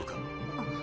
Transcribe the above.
あっ。